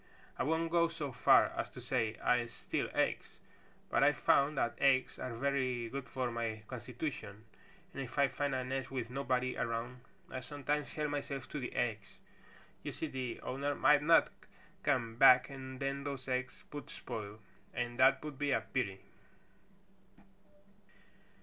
"I won't go so far as to say I steal eggs, but I've found that eggs are very good for my constitution and if I find a nest with nobody around I sometimes help myself to the eggs. You see the owner might not come back and then those eggs would spoil, and that would be a pity."